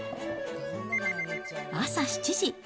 朝７時。